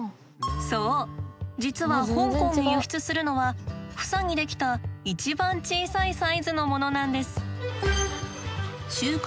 そう実は香港に輸出するのは房に出来た一番小さいサイズのものなんです。